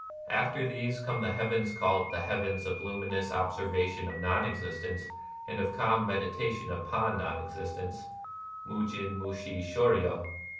After these come the heavens called the Heavens of Luminous Observation of Non Existence and of Calm Meditation upon Non Existence QMujin musJii sJioryo).